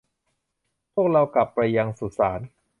พวกเรากลับไปยังสุสาน